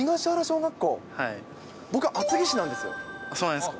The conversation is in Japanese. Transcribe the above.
僕、厚木市なんですよ。